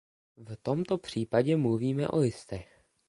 V tomto případě mluvíme o listech.